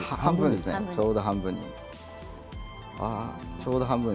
ちょうど半分に。